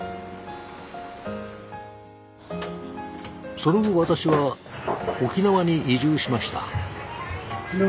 その後私は沖縄に移住しました。